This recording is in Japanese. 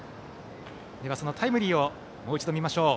そのタイムリーをもう一度、見ましょう。